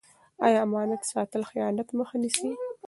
آیا امانت ساتل د خیانت مخه نیسي؟